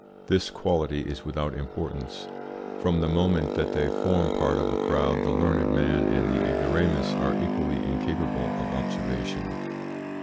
This quality is without importance. From the moment that they form part of a crowd the learned man and the ignoramus are equally incapable of observation.